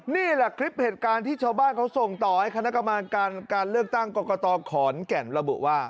นี่แหละคลิปเหตุการณ์ที่ชาวบ้านเขาส่งต่อให้คณะกรรมการการเลือกตั้งกรกตขอนแก่นระบุว่า